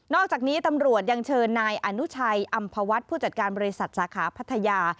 อกจากนี้ตำรวจยังเชิญนายอนุชัยอำภวัฒน์ผู้จัดการบริษัทสาขาพัทยา